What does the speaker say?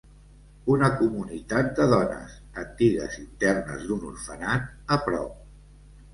Una comunitat de dones, antigues internes d'un orfenat, a prop.